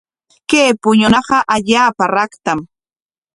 Kay puñunaqa allaapa raktam.